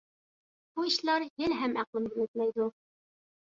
بۇ ئىشلار ھېلىھەم ئەقلىمدىن ئۆتمەيدۇ.